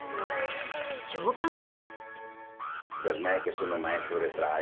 評判は？